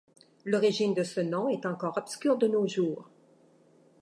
L'origine de ce nom est encore obscure de nos jours.